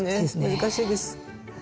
難しいです。